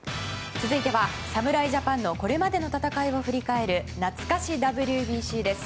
続いては侍ジャパンのこれまでの戦いを振り返るなつか史ＷＢＣです。